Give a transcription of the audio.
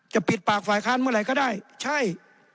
ปิดปากฝ่ายค้านเมื่อไหร่ก็ได้ใช่